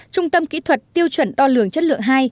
trung tâm kỹ thuật tiêu chuẩn đo lường chất lượng hai